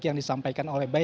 yang disampaikan oleh bayi